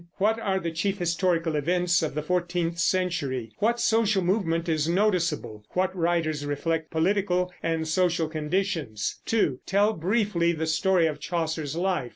What are the chief historical events of the fourteenth century? What social movement is noticeable? What writers reflect political and social conditions? 2. Tell briefly the story of Chaucer's life.